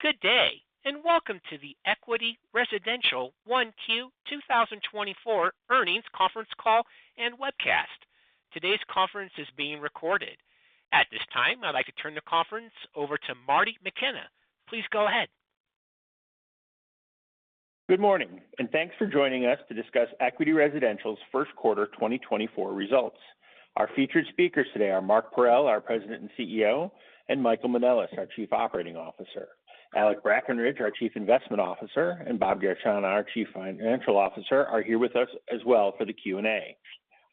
Good day and welcome to the Equity Residential Q1 2024 Earnings Conference Call and Webcast. Today's conference is being recorded. At this time, I'd like to turn the conference over to Marty McKenna. Please go ahead. Good morning, and thanks for joining us to discuss Equity Residential's Q1 2024 results. Our featured speakers today are Mark Parrell, our President and CEO, and Michael Manelis, our Chief Operating Officer. Alexander Brackenridge, our Chief Investment Officer, and Robert Garechana, our Chief Financial Officer, are here with us as well for the Q&A.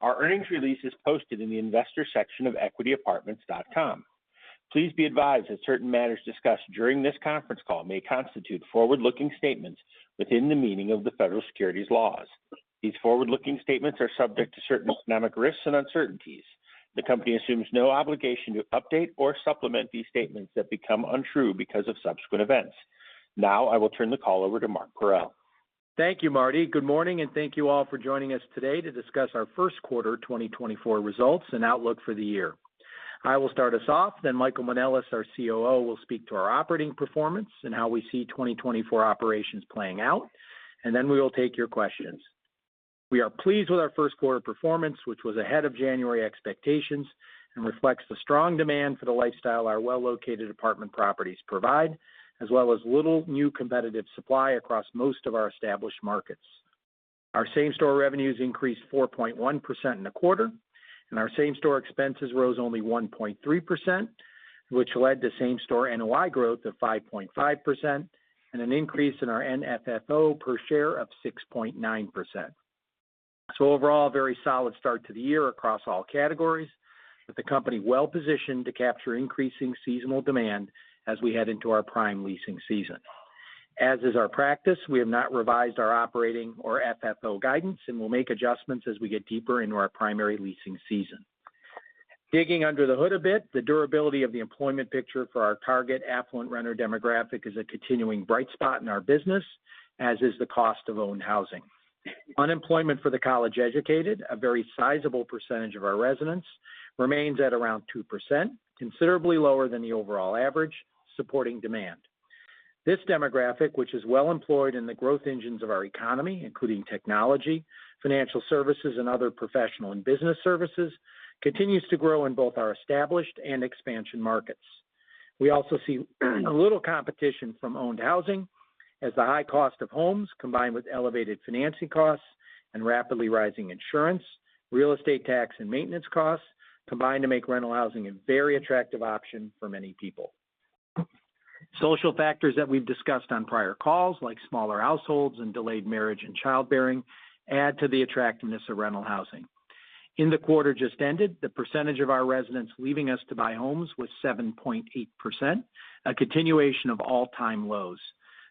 Our earnings release is posted in the investor section of equityapartments.com. Please be advised that certain matters discussed during this conference call may constitute forward-looking statements within the meaning of the federal securities laws. These forward-looking statements are subject to certain economic risks and uncertainties. The company assumes no obligation to update or supplement these statements that become untrue because of subsequent events. Now I will turn the call over to Mark Parrell. Thank you, Marty. Good morning, and thank you all for joining us today to discuss our Q1 2024 results and outlook for the year. I will start us off, then Michael Manelis, our COO, will speak to our operating performance and how we see 2024 operations playing out, and then we will take your questions. We are pleased with our Q1 performance, which was ahead of January expectations and reflects the strong demand for the lifestyle our well-located apartment properties provide, as well as little new competitive supply across most of our established markets. Our same-store revenues increased 4.1% in a quarter, and our same-store expenses rose only 1.3%, which led to same-store NOI growth of 5.5% and an increase in our NFFO per share of 6.9%. So overall, a very solid start to the year across all categories, with the company well-positioned to capture increasing seasonal demand as we head into our prime leasing season. As is our practice, we have not revised our operating or FFO guidance and will make adjustments as we get deeper into our primary leasing season. Digging under the hood a bit, the durability of the employment picture for our target affluent renter demographic is a continuing bright spot in our business, as is the cost of owned housing. Unemployment for the college educated, a very sizable percentage of our residents, remains at around 2%, considerably lower than the overall average, supporting demand. This demographic, which is well-employed in the growth engines of our economy, including technology, financial services, and other professional and business services, continues to grow in both our established and expansion markets. We also see little competition from owned housing, as the high cost of homes combined with elevated financing costs and rapidly rising insurance, real estate tax, and maintenance costs combine to make rental housing a very attractive option for many people. Social factors that we've discussed on prior calls, like smaller households and delayed marriage and childbearing, add to the attractiveness of rental housing. In the quarter just ended, the percentage of our residents leaving us to buy homes was 7.8%, a continuation of all-time lows.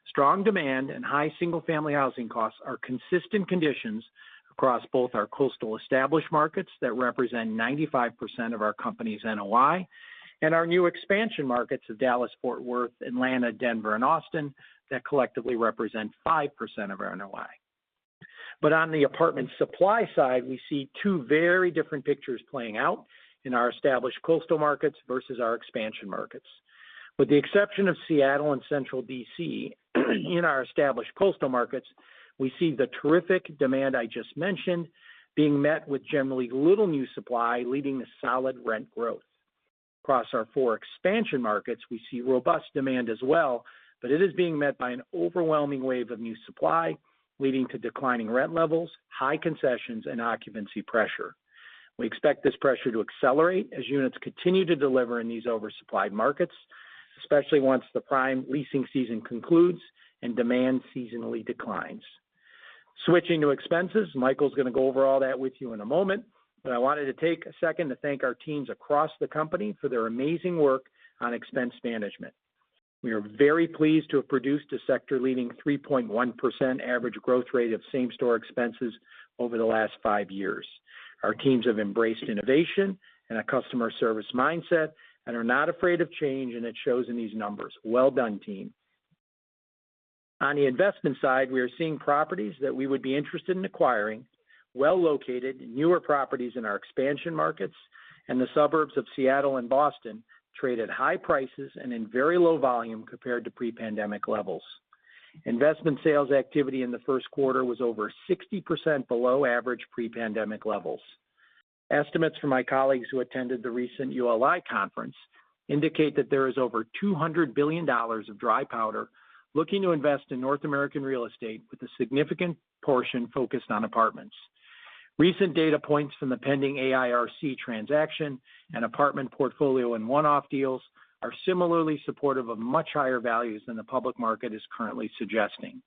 Strong demand and high single-family housing costs are consistent conditions across both our coastal established markets that represent 95% of our company's NOI, and our new expansion markets of Dallas-Fort Worth, Atlanta, Denver, and Austin that collectively represent 5% of our NOI. But on the apartment supply side, we see two very different pictures playing out in our established coastal markets versus our expansion markets. With the exception of Seattle and Central D.C., in our established coastal markets, we see the terrific demand I just mentioned being met with generally little new supply, leading to solid rent growth. Across our four expansion markets, we see robust demand as well, but it is being met by an overwhelming wave of new supply, leading to declining rent levels, high concessions, and occupancy pressure. We expect this pressure to accelerate as units continue to deliver in these oversupplied markets, especially once the prime leasing season concludes and demand seasonally declines. Switching to expenses, Michael's going to go over all that with you in a moment, but I wanted to take a second to thank our teams across the company for their amazing work on expense management. We are very pleased to have produced a sector-leading 3.1% average growth rate of same-store expenses over the last five years. Our teams have embraced innovation and a customer service mindset and are not afraid of change, and it shows in these numbers. Well done, team. On the investment side, we are seeing properties that we would be interested in acquiring, well-located newer properties in our expansion markets, and the suburbs of Seattle and Boston trade at high prices and in very low volume compared to pre-pandemic levels. Investment sales activity in the Q1 was over 60% below average pre-pandemic levels. Estimates from my colleagues who attended the recent ULI conference indicate that there is over $200 billion of dry powder looking to invest in North American real estate, with a significant portion focused on apartments. Recent data points from the pending AIRC transaction and apartment portfolio and one-off deals are similarly supportive of much higher values than the public market is currently suggesting.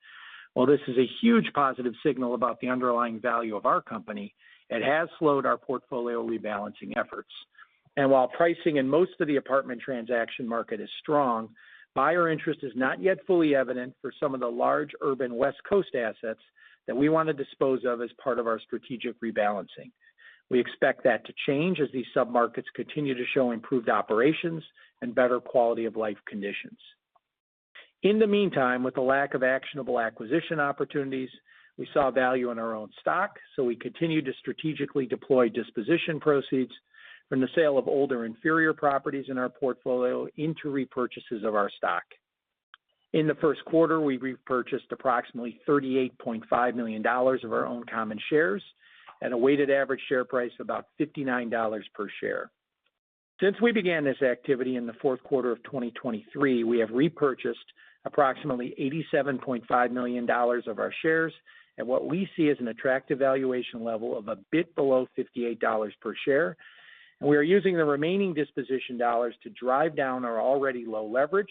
While this is a huge positive signal about the underlying value of our company, it has slowed our portfolio rebalancing efforts. And while pricing in most of the apartment transaction market is strong, buyer interest is not yet fully evident for some of the large urban West Coast assets that we want to dispose of as part of our strategic rebalancing. We expect that to change as these submarkets continue to show improved operations and better quality of life conditions. In the meantime, with the lack of actionable acquisition opportunities, we saw value in our own stock, so we continue to strategically deploy disposition proceeds from the sale of older inferior properties in our portfolio into repurchases of our stock. In the Q1, we repurchased approximately $38.5 million of our own common shares at a weighted average share price of about $59 per share. Since we began this activity in the Q4 of 2023, we have repurchased approximately $87.5 million of our shares at what we see as an attractive valuation level of a bit below $58 per share. We are using the remaining disposition dollars to drive down our already low leverage,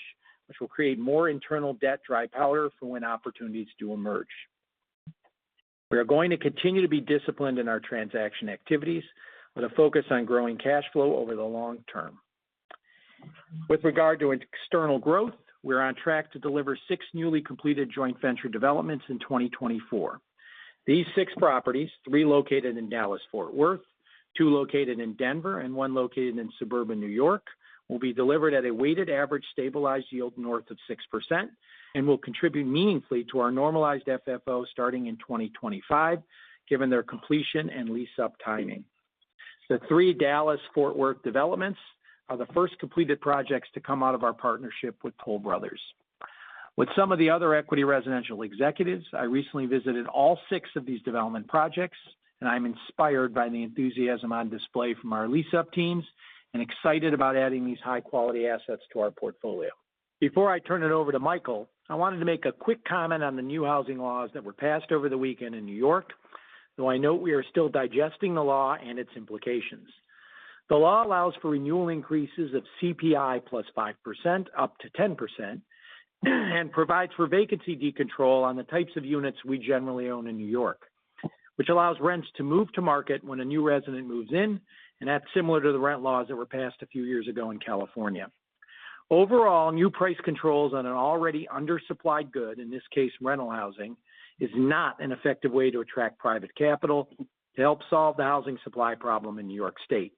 which will create more internal debt dry powder for when opportunities do emerge. We are going to continue to be disciplined in our transaction activities, with a focus on growing cash flow over the long term. With regard to external growth, we're on track to deliver 6 newly completed joint venture developments in 2024. These 6 properties, 3 located in Dallas-Fort Worth, 2 located in Denver, and 1 located in suburban New York, will be delivered at a weighted average stabilized yield north of 6% and will contribute meaningfully to our normalized FFO starting in 2025, given their completion and lease-up timing. The 3 Dallas-Fort Worth developments are the first completed projects to come out of our partnership with Toll Brothers. With some of the other Equity Residential executives, I recently visited all 6 of these development projects, and I'm inspired by the enthusiasm on display from our lease-up teams and excited about adding these high-quality assets to our portfolio. Before I turn it over to Michael, I wanted to make a quick comment on the new housing laws that were passed over the weekend in New York, though I note we are still digesting the law and its implications. The law allows for renewal increases of CPI plus 5%-10% and provides for vacancy decontrol on the types of units we generally own in New York, which allows rents to move to market when a new resident moves in, and that's similar to the rent laws that were passed a few years ago in California. Overall, new price controls on an already undersupplied good, in this case rental housing, is not an effective way to attract private capital to help solve the housing supply problem in New York State.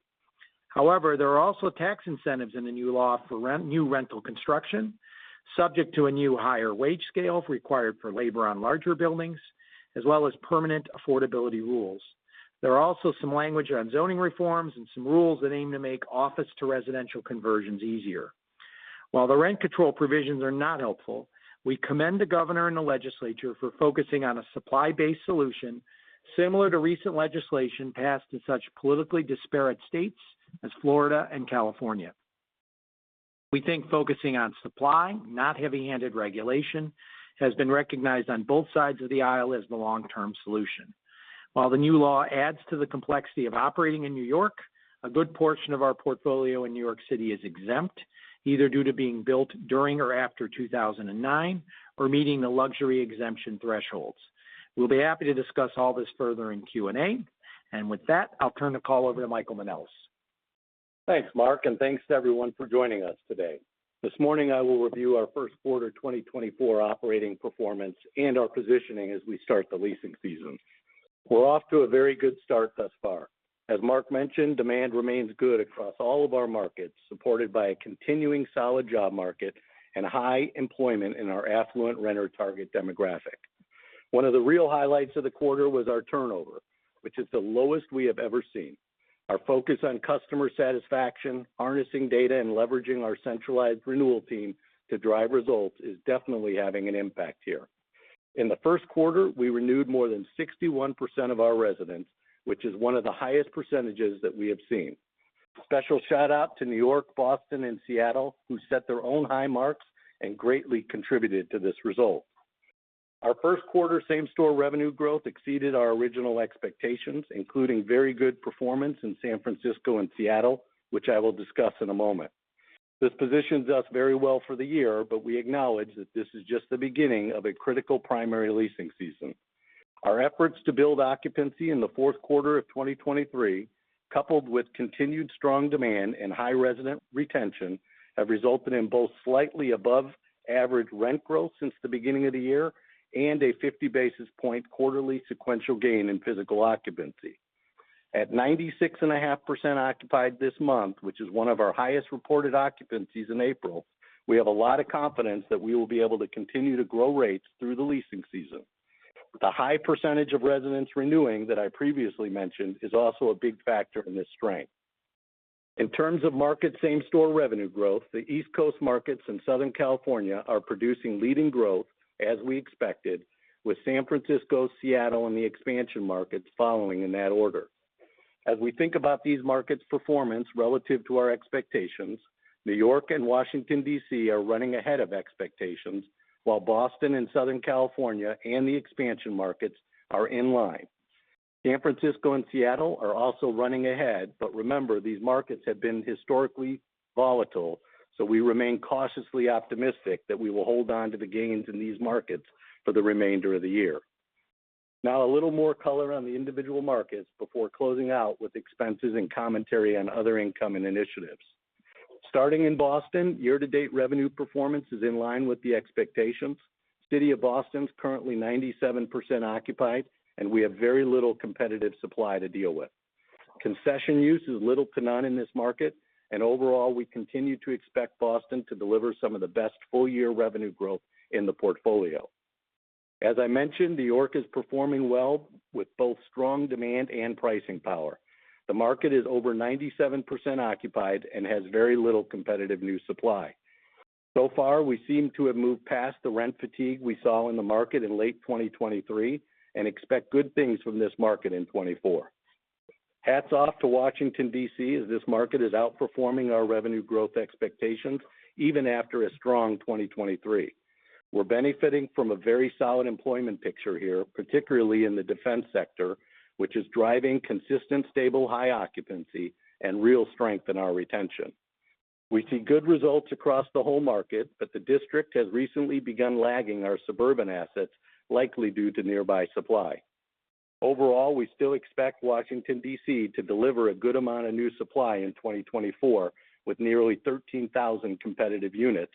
However, there are also tax incentives in the new law for new rental construction, subject to a new higher wage scale required for labor on larger buildings, as well as permanent affordability rules. There are also some language on zoning reforms and some rules that aim to make office-to-residential conversions easier. While the rent control provisions are not helpful, we commend the governor and the legislature for focusing on a supply-based solution similar to recent legislation passed in such politically disparate states as Florida and California. We think focusing on supply, not heavy-handed regulation, has been recognized on both sides of the aisle as the long-term solution. While the new law adds to the complexity of operating in New York, a good portion of our portfolio in New York City is exempt, either due to being built during or after 2009 or meeting the luxury exemption thresholds. We'll be happy to discuss all this further in Q&A. With that, I'll turn the call over to Michael Manelis. Thanks, Mark, and thanks to everyone for joining us today. This morning, I will review our Q1 2024 operating performance and our positioning as we start the leasing season. We're off to a very good start thus far. As Mark mentioned, demand remains good across all of our markets, supported by a continuing solid job market and high employment in our affluent renter target demographic. One of the real highlights of the quarter was our turnover, which is the lowest we have ever seen. Our focus on customer satisfaction, harnessing data, and leveraging our centralized renewal team to drive results is definitely having an impact here. In the Q1, we renewed more than 61% of our residents, which is one of the highest percentages that we have seen. Special shout-out to New York, Boston, and Seattle, who set their own high marks and greatly contributed to this result. Our Q1 same-store revenue growth exceeded our original expectations, including very good performance in San Francisco and Seattle, which I will discuss in a moment. This positions us very well for the year, but we acknowledge that this is just the beginning of a critical primary leasing season. Our efforts to build occupancy in the Q4 of 2023, coupled with continued strong demand and high resident retention, have resulted in both slightly above average rent growth since the beginning of the year and a 50 basis point quarterly sequential gain in physical occupancy. At 96.5% occupied this month, which is one of our highest reported occupancies in April, we have a lot of confidence that we will be able to continue to grow rates through the leasing season. The high percentage of residents renewing that I previously mentioned is also a big factor in this strength. In terms of market same-store revenue growth, the East Coast markets and Southern California are producing leading growth, as we expected, with San Francisco, Seattle, and the expansion markets following in that order. As we think about these markets' performance relative to our expectations, New York and Washington, D.C., are running ahead of expectations, while Boston and Southern California and the expansion markets are in line. San Francisco and Seattle are also running ahead, but remember, these markets have been historically volatile, so we remain cautiously optimistic that we will hold on to the gains in these markets for the remainder of the year. Now, a little more color on the individual markets before closing out with expenses and commentary on other income and initiatives. Starting in Boston, year-to-date revenue performance is in line with the expectations. City of Boston is currently 97% occupied, and we have very little competitive supply to deal with. Concession use is little to none in this market, and overall, we continue to expect Boston to deliver some of the best full-year revenue growth in the portfolio. As I mentioned, New York is performing well with both strong demand and pricing power. The market is over 97% occupied and has very little competitive new supply. So far, we seem to have moved past the rent fatigue we saw in the market in late 2023 and expect good things from this market in 2024. Hats off to Washington, D.C., as this market is outperforming our revenue growth expectations, even after a strong 2023. We're benefiting from a very solid employment picture here, particularly in the defense sector, which is driving consistent, stable, high occupancy and real strength in our retention. We see good results across the whole market, but the district has recently begun lagging our suburban assets, likely due to nearby supply. Overall, we still expect Washington, D.C., to deliver a good amount of new supply in 2024 with nearly 13,000 competitive units.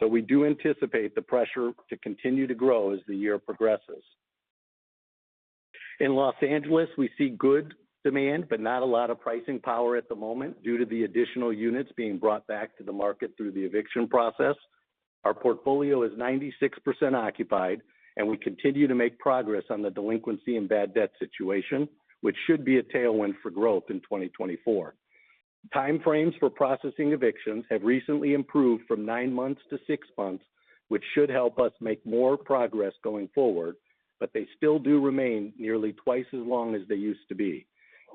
So we do anticipate the pressure to continue to grow as the year progresses. In Los Angeles, we see good demand, but not a lot of pricing power at the moment due to the additional units being brought back to the market through the eviction process. Our portfolio is 96% occupied, and we continue to make progress on the delinquency and bad debt situation, which should be a tailwind for growth in 2024. Timeframes for processing evictions have recently improved from nine months to six months, which should help us make more progress going forward, but they still do remain nearly twice as long as they used to be.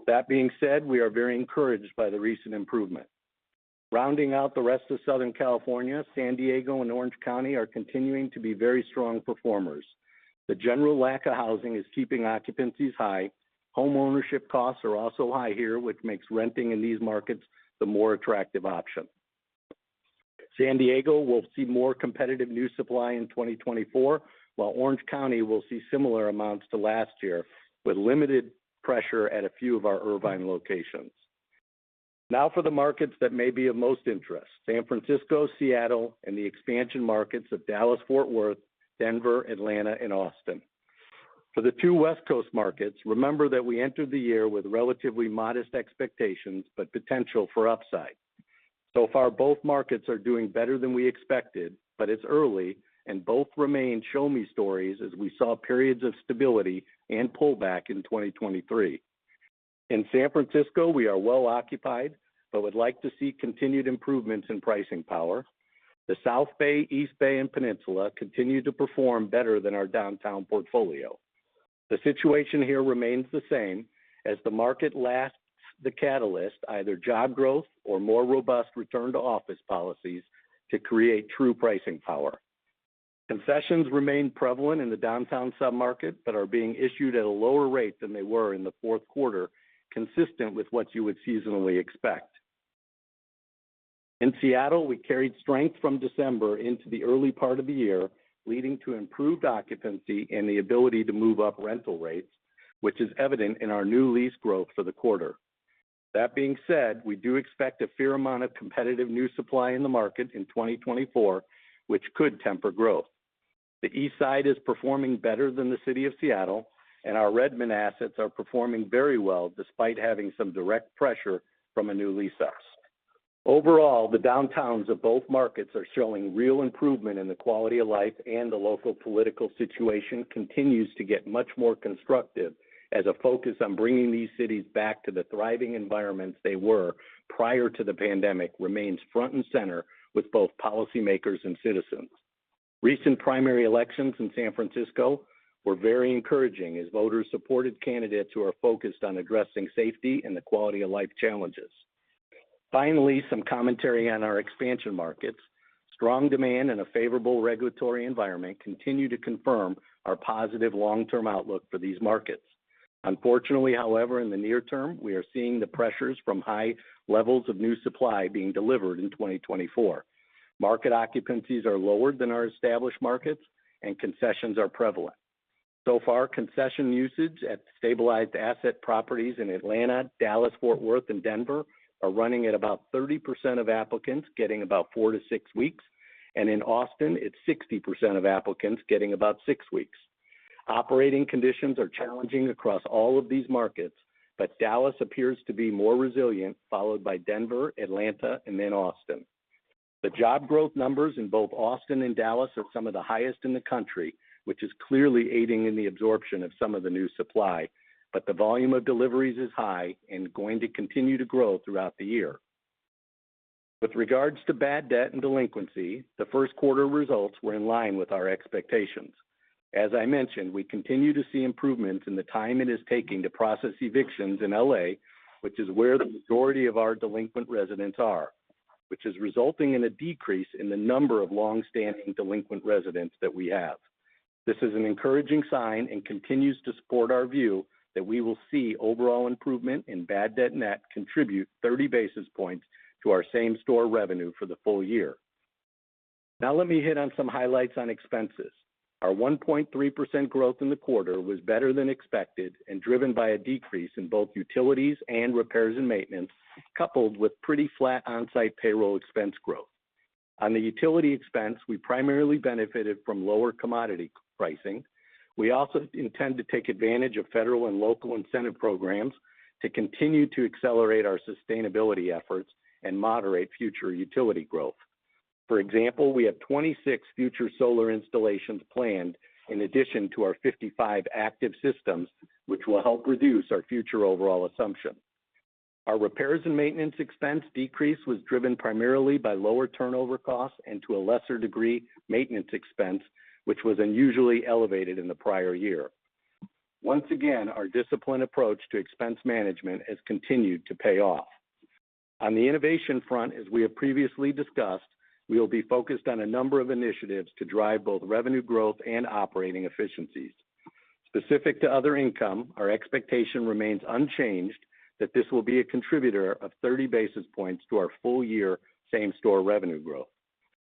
That being said, we are very encouraged by the recent improvement. Rounding out the rest of Southern California, San Diego, and Orange County are continuing to be very strong performers. The general lack of housing is keeping occupancies high. Home ownership costs are also high here, which makes renting in these markets the more attractive option. San Diego will see more competitive new supply in 2024, while Orange County will see similar amounts to last year, with limited pressure at a few of our Irvine locations. Now for the markets that may be of most interest: San Francisco, Seattle, and the expansion markets of Dallas-Fort Worth, Denver, Atlanta, and Austin. For the two West Coast markets, remember that we entered the year with relatively modest expectations, but potential for upside. So far, both markets are doing better than we expected, but it's early, and both remain show-me stories as we saw periods of stability and pullback in 2023. In San Francisco, we are well occupied, but would like to see continued improvements in pricing power. The South Bay, East Bay, and Peninsula continue to perform better than our downtown portfolio. The situation here remains the same, as the market lacks the catalyst, either job growth or more robust return-to-office policies, to create true pricing power. Concessions remain prevalent in the downtown submarket, but are being issued at a lower rate than they were in the Q4, consistent with what you would seasonally expect. In Seattle, we carried strength from December into the early part of the year, leading to improved occupancy and the ability to move up rental rates, which is evident in our new lease growth for the quarter. That being said, we do expect a fair amount of competitive new supply in the market in 2024, which could temper growth. The East Side is performing better than the city of Seattle, and our Redmond assets are performing very well despite having some direct pressure from a new lease-ups. Overall, the downtowns of both markets are showing real improvement in the quality of life, and the local political situation continues to get much more constructive as a focus on bringing these cities back to the thriving environments they were prior to the pandemic remains front and center with both policymakers and citizens. Recent primary elections in San Francisco were very encouraging as voters supported candidates who are focused on addressing safety and the quality of life challenges. Finally, some commentary on our expansion markets. Strong demand and a favorable regulatory environment continue to confirm our positive long-term outlook for these markets. Unfortunately, however, in the near term, we are seeing the pressures from high levels of new supply being delivered in 2024. Market occupancies are lower than our established markets, and concessions are prevalent. So far, concession usage at stabilized asset properties in Atlanta, Dallas-Fort Worth, and Denver are running at about 30% of applicants getting about 4-6 weeks. And in Austin, it's 60% of applicants getting about 6 weeks. Operating conditions are challenging across all of these markets, but Dallas appears to be more resilient, followed by Denver, Atlanta, and then Austin. The job growth numbers in both Austin and Dallas are some of the highest in the country, which is clearly aiding in the absorption of some of the new supply. But the volume of deliveries is high and going to continue to grow throughout the year. With regards to bad debt and delinquency, the Q1 results were in line with our expectations. As I mentioned, we continue to see improvements in the time it is taking to process evictions in L.A., which is where the majority of our delinquent residents are, which is resulting in a decrease in the number of longstanding delinquent residents that we have. This is an encouraging sign and continues to support our view that we will see overall improvement in bad debt net contribute 30 basis points to our same-store revenue for the full year. Now let me hit on some highlights on expenses. Our 1.3% growth in the quarter was better than expected and driven by a decrease in both utilities and repairs and maintenance, coupled with pretty flat on-site payroll expense growth. On the utility expense, we primarily benefited from lower commodity pricing. We also intend to take advantage of federal and local incentive programs to continue to accelerate our sustainability efforts and moderate future utility growth. For example, we have 26 future solar installations planned in addition to our 55 active systems, which will help reduce our future overall assumptions. Our repairs and maintenance expense decrease was driven primarily by lower turnover costs and to a lesser degree maintenance expense, which was unusually elevated in the prior year. Once again, our disciplined approach to expense management has continued to pay off. On the innovation front, as we have previously discussed, we will be focused on a number of initiatives to drive both revenue growth and operating efficiencies. Specific to other income, our expectation remains unchanged that this will be a contributor of 30 basis points to our full-year same-store revenue growth.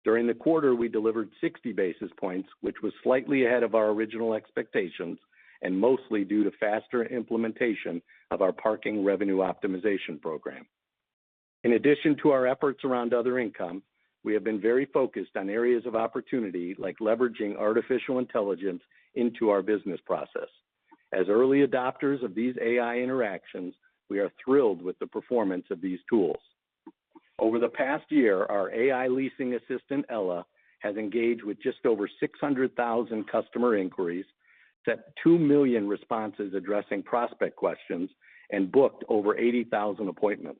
During the quarter, we delivered 60 basis points, which was slightly ahead of our original expectations and mostly due to faster implementation of our parking revenue optimization program. In addition to our efforts around other income, we have been very focused on areas of opportunity like leveraging artificial intelligence into our business process. As early adopters of these AI interactions, we are thrilled with the performance of these tools. Over the past year, our AI leasing assistant, Ella, has engaged with just over 600,000 customer inquiries, sent 2 million responses addressing prospect questions, and booked over 80,000 appointments.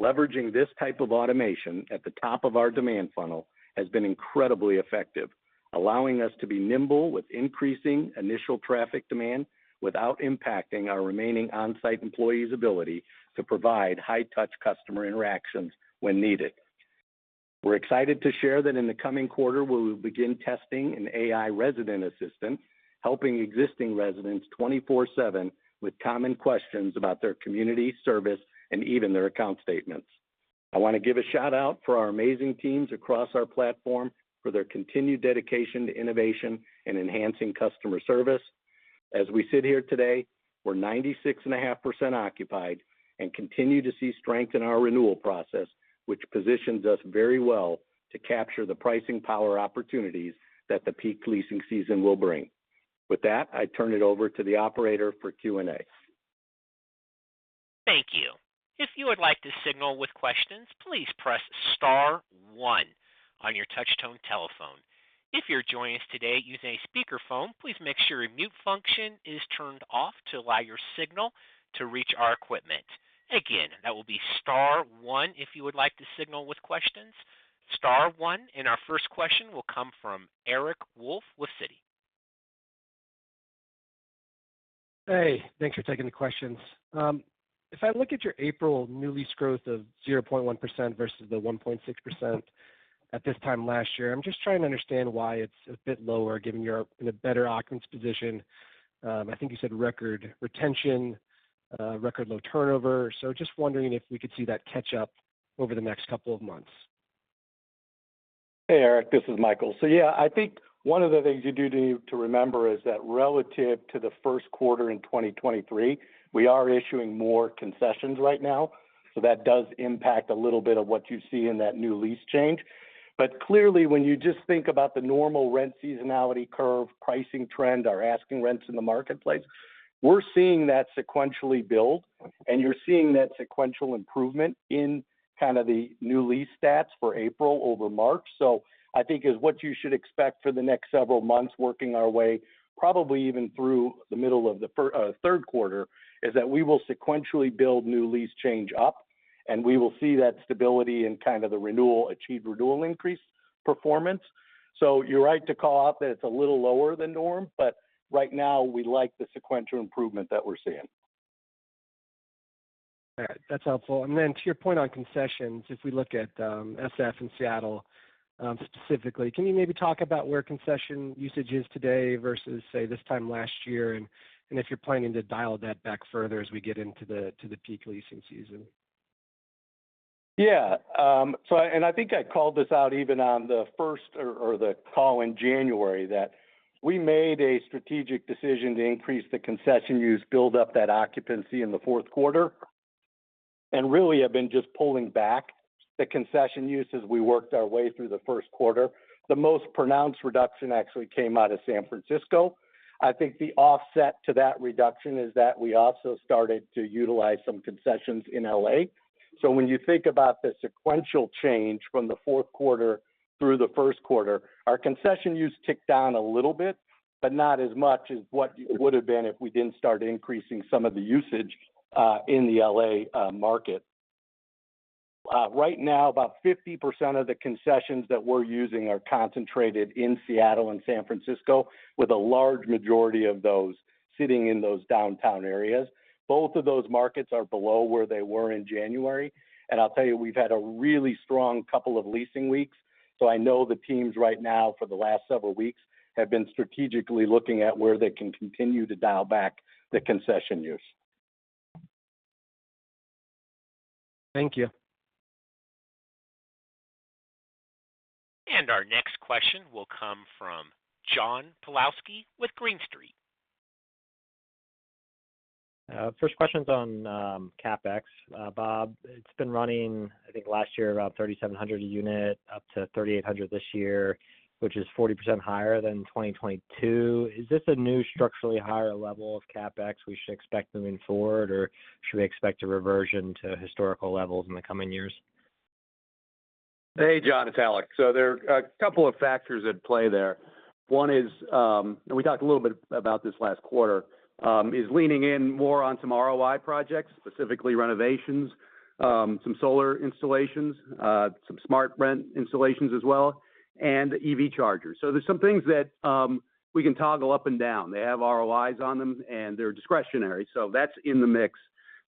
Leveraging this type of automation at the top of our demand funnel has been incredibly effective, allowing us to be nimble with increasing initial traffic demand without impacting our remaining on-site employees' ability to provide high-touch customer interactions when needed. We're excited to share that in the coming quarter, we will begin testing an AI resident assistant, helping existing residents 24/7 with common questions about their community service and even their account statements. I want to give a shout-out for our amazing teams across our platform for their continued dedication to innovation and enhancing customer service. As we sit here today, we're 96.5% occupied and continue to see strength in our renewal process, which positions us very well to capture the pricing power opportunities that the peak leasing season will bring. With that, I turn it over to the operator for Q&A. Thank you. If you would like to signal with questions, please press star one on your touchstone telephone. If you're joining us today using a speakerphone, please make sure your mute function is turned off to allow your signal to reach our equipment. Again, that will be star one if you would like to signal with questions. Star one, our first question will come from Eric Wolfe with Citi. Hey, thanks for taking the questions. If I look at your April new lease growth of 0.1% versus the 1.6% at this time last year, I'm just trying to understand why it's a bit lower given you're in a better occupancy position. I think you said record retention, record low turnover. So just wondering if we could see that catch up over the next couple of months. Hey, Eric, this is Michael. So yeah, I think one of the things you do need to remember is that relative to the Q1 in 2023, we are issuing more concessions right now. So that does impact a little bit of what you see in that new lease change. But clearly, when you just think about the normal rent seasonality curve, pricing trend, our asking rents in the marketplace, we're seeing that sequentially build, and you're seeing that sequential improvement in kind of the new lease stats for April over March. So I think what you should expect for the next several months working our way, probably even through the middle of the Q3, is that we will sequentially build new lease change up. And we will see that stability in kind of the achieved renewal increase performance. You're right to call out that it's a little lower than norm, but right now we like the sequential improvement that we're seeing. All right, that's helpful. And then to your point on concessions, if we look at SF and Seattle specifically, can you maybe talk about where concession usage is today versus, say, this time last year and if you're planning to dial that back further as we get into the peak leasing season? Yeah. I think I called this out even on the first or the call in January that we made a strategic decision to increase the concession use, build up that occupancy in the Q4. Really have been just pulling back the concession use as we worked our way through the Q1. The most pronounced reduction actually came out of San Francisco. I think the offset to that reduction is that we also started to utilize some concessions in L.A. When you think about the sequential change from the Q4 through the Q1, our concession use ticked down a little bit, but not as much as what it would have been if we didn't start increasing some of the usage in the L.A. market. Right now, about 50% of the concessions that we're using are concentrated in Seattle and San Francisco, with a large majority of those sitting in those downtown areas. Both of those markets are below where they were in January. I'll tell you, we've had a really strong couple of leasing weeks. I know the teams right now for the last several weeks have been strategically looking at where they can continue to dial back the concession use. Thank you. Our next question will come from John Pawlowski with Green Street. First question's on CapEx. Bob, it's been running, I think, last year about 3,700 a unit, up to 3,800 this year, which is 40% higher than 2022. Is this a new structurally higher level of CapEx we should expect moving forward, or should we expect a reversion to historical levels in the coming years? Hey, John, it's Alec. So there are a couple of factors at play there. One is, and we talked a little bit about this last quarter, is leaning in more on some ROI projects, specifically renovations, some solar installations, some smart home installations as well, and EV chargers. So there's some things that we can toggle up and down. They have ROIs on them, and they're discretionary. So that's in the mix.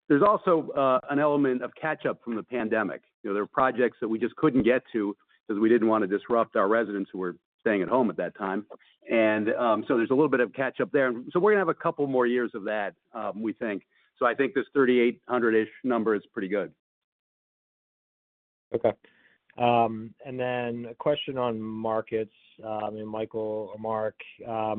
There's also an element of catch-up from the pandemic. There were projects that we just couldn't get to because we didn't want to disrupt our residents who were staying at home at that time. And so there's a little bit of catch-up there. And so we're going to have a couple more years of that, we think. So I think this 3,800-ish number is pretty good. Okay. And then a question on markets. I mean, Michael or Mark, I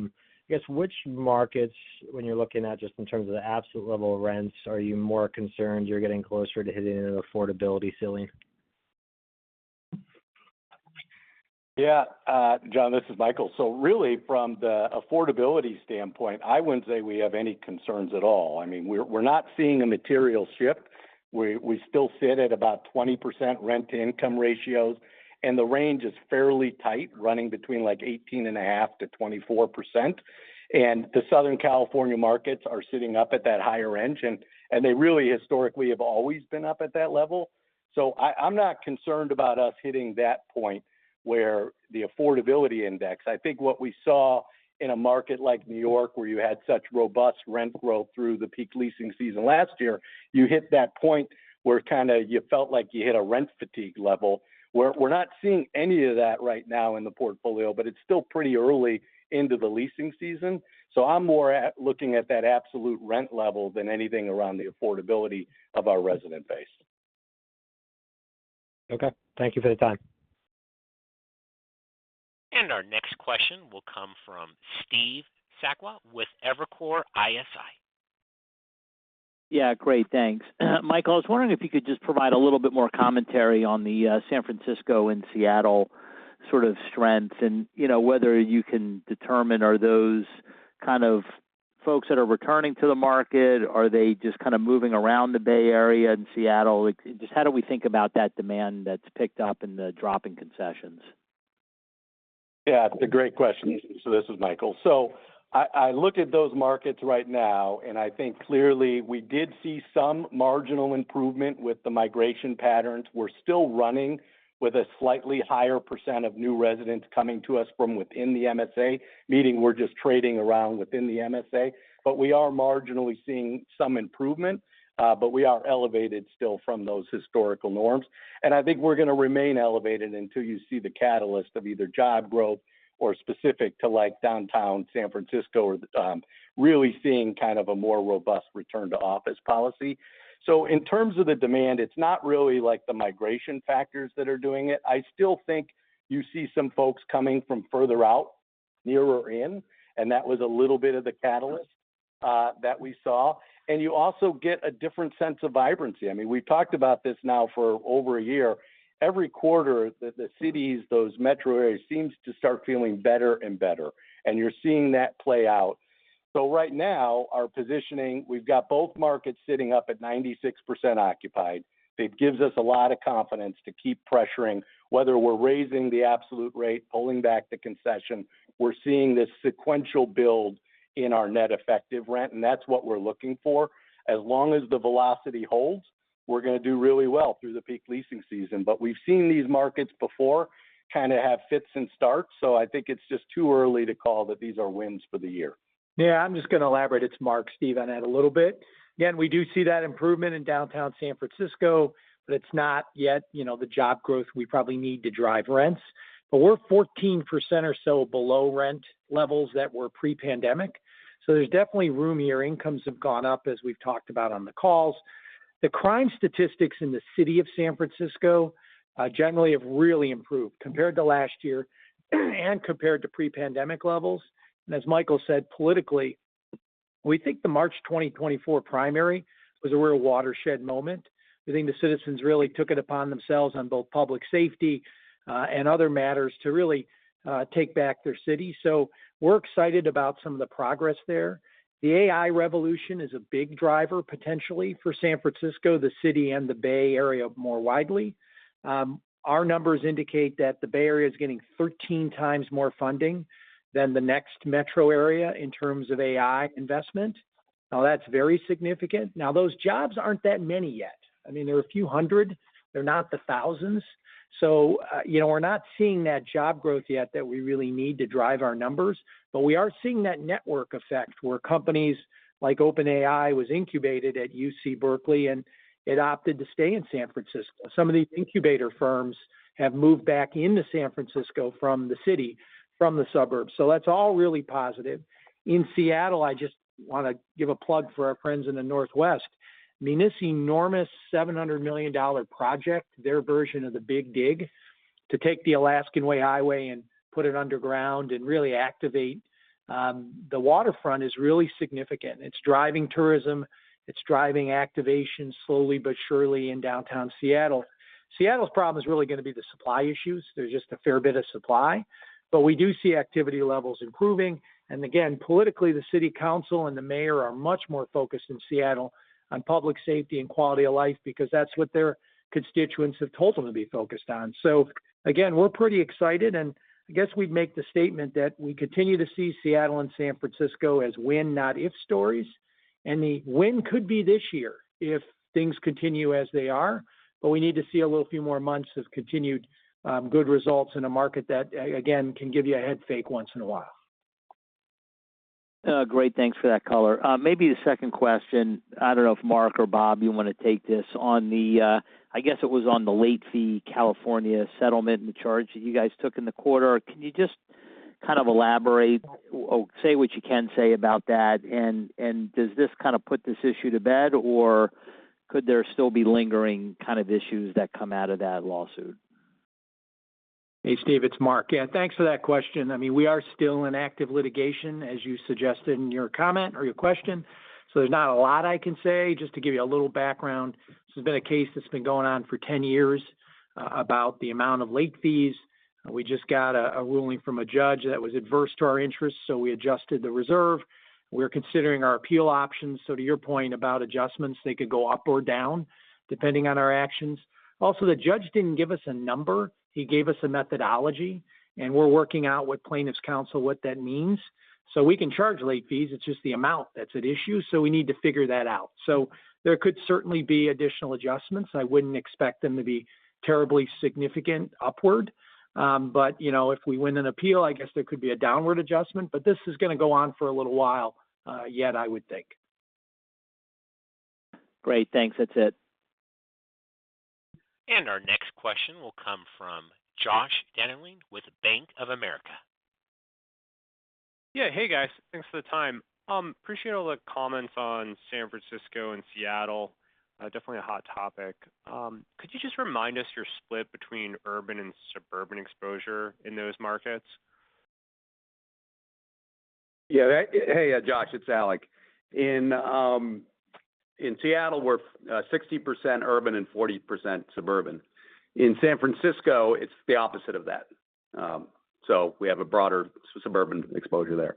guess which markets, when you're looking at just in terms of the absolute level of rents, are you more concerned you're getting closer to hitting an affordability ceiling? Yeah, John, this is Michael. So really, from the affordability standpoint, I wouldn't say we have any concerns at all. I mean, we're not seeing a material shift. We still sit at about 20% rent-to-income ratios. The range is fairly tight, running between like 18.5%-24%. The Southern California markets are sitting up at that higher edge, and they really historically have always been up at that level. So I'm not concerned about us hitting that point where the affordability index, I think what we saw in a market like New York where you had such robust rent growth through the peak leasing season last year, you hit that point where kind of you felt like you hit a rent fatigue level. We're not seeing any of that right now in the portfolio, but it's still pretty early into the leasing season. I'm more looking at that absolute rent level than anything around the affordability of our resident base. Okay. Thank you for the time. Our next question will come from Steve Sakwa with Evercore ISI. Yeah, great. Thanks. Michael, I was wondering if you could just provide a little bit more commentary on the San Francisco and Seattle sort of strengths and whether you can determine are those kind of folks that are returning to the market, are they just kind of moving around the Bay Area and Seattle? Just how do we think about that demand that's picked up in the drop in concessions? Yeah, it's a great question. So this is Michael. So I looked at those markets right now, and I think clearly we did see some marginal improvement with the migration patterns. We're still running with a slightly higher % of new residents coming to us from within the MSA, meaning we're just trading around within the MSA. But we are marginally seeing some improvement, but we are elevated still from those historical norms. And I think we're going to remain elevated until you see the catalyst of either job growth or specific to downtown San Francisco or really seeing kind of a more robust return to office policy. So in terms of the demand, it's not really like the migration factors that are doing it. I still think you see some folks coming from further out, nearer in, and that was a little bit of the catalyst that we saw. You also get a different sense of vibrancy. I mean, we've talked about this now for over a year. Every quarter, the cities, those metro areas seem to start feeling better and better. And you're seeing that play out. So right now, our positioning, we've got both markets sitting up at 96% occupied. It gives us a lot of confidence to keep pressuring, whether we're raising the absolute rate, pulling back the concession. We're seeing this sequential build in our net effective rent, and that's what we're looking for. As long as the velocity holds, we're going to do really well through the peak leasing season. But we've seen these markets before kind of have fits and starts. So I think it's just too early to call that these are wins for the year. Yeah, I'm just going to elaborate. It's Mark, Steve, on that a little bit. Again, we do see that improvement in downtown San Francisco, but it's not yet the job growth we probably need to drive rents. But we're 14% or so below rent levels that were pre-pandemic. So there's definitely room here. Incomes have gone up, as we've talked about on the calls. The crime statistics in the city of San Francisco generally have really improved compared to last year and compared to pre-pandemic levels. And as Michael said, politically, we think the March 2024 primary was a real watershed moment. We think the citizens really took it upon themselves on both public safety and other matters to really take back their city. So we're excited about some of the progress there. The AI revolution is a big driver potentially for San Francisco, the city, and the Bay Area more widely. Our numbers indicate that the Bay Area is getting 13x more funding than the next metro area in terms of AI investment. Now, that's very significant. Now, those jobs aren't that many yet. I mean, they're a few hundred. They're not the thousands. So we're not seeing that job growth yet that we really need to drive our numbers. But we are seeing that network effect where companies like OpenAI was incubated at UC Berkeley, and it opted to stay in San Francisco. Some of these incubator firms have moved back into San Francisco from the city, from the suburbs. So that's all really positive. In Seattle, I just want to give a plug for our friends in the northwest. I mean, this enormous $700 million project, their version of the Big Dig to take the Alaskan Way Highway and put it underground and really activate the waterfront is really significant. It's driving tourism. It's driving activation slowly but surely in downtown Seattle. Seattle's problem is really going to be the supply issues. There's just a fair bit of supply. But we do see activity levels improving. And again, politically, the city council and the mayor are much more focused in Seattle on public safety and quality of life because that's what their constituents have told them to be focused on. So again, we're pretty excited. And I guess we'd make the statement that we continue to see Seattle and San Francisco as when, not if stories. And the when could be this year if things continue as they are. But we need to see a little few more months of continued good results in a market that, again, can give you a headfake once in a while. Great. Thanks for that color. Maybe the second question. I don't know if Mark or Bob, you want to take this on the I guess it was on the late fee California settlement and the charge that you guys took in the quarter. Can you just kind of elaborate or say what you can say about that? And does this kind of put this issue to bed, or could there still be lingering kind of issues that come out of that lawsuit? Hey, Steve, it's Mark. Yeah, thanks for that question. I mean, we are still in active litigation, as you suggested in your comment or your question. So there's not a lot I can say. Just to give you a little background, this has been a case that's been going on for 10 years about the amount of late fees. We just got a ruling from a judge that was adverse to our interests, so we adjusted the reserve. We're considering our appeal options. So to your point about adjustments, they could go up or down depending on our actions. Also, the judge didn't give us a number. He gave us a methodology. And we're working out with plaintiffs' counsel what that means. So we can charge late fees. It's just the amount that's at issue, so we need to figure that out. So there could certainly be additional adjustments. I wouldn't expect them to be terribly significant upward. But if we win an appeal, I guess there could be a downward adjustment. But this is going to go on for a little while yet, I would think. Great. Thanks. That's it. Our next question will come from Josh Dennerlein with Bank of America. Yeah, hey, guys. Thanks for the time. Appreciate all the comments on San Francisco and Seattle. Definitely a hot topic. Could you just remind us your split between urban and suburban exposure in those markets? Yeah. Hey, Josh. It's Alec. In Seattle, we're 60% urban and 40% suburban. In San Francisco, it's the opposite of that. So we have a broader suburban exposure there.